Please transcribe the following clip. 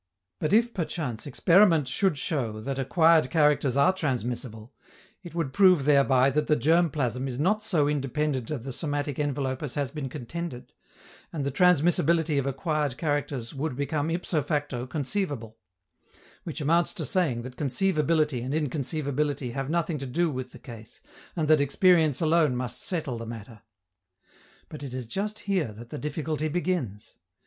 But if, perchance, experiment should show that acquired characters are transmissible, it would prove thereby that the germ plasm is not so independent of the somatic envelope as has been contended, and the transmissibility of acquired characters would become ipso facto conceivable; which amounts to saying that conceivability and inconceivability have nothing to do with the case, and that experience alone must settle the matter. But it is just here that the difficulty begins.